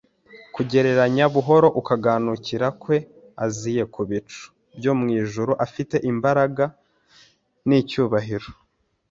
kugereranya buhoro ukuganika kwe aziye ku bicu byo mu ijuru afite imbaraga n'icyubahiro,